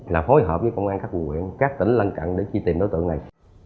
là phối hợp với công an các bộ nguyện các tỉnh lăn cận để chỉ tìm đối tượng này